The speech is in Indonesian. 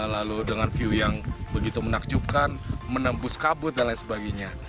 lalu dengan view yang begitu menakjubkan menembus kabut dan lain sebagainya